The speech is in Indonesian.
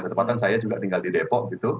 ketepatan saya juga tinggal di depok gitu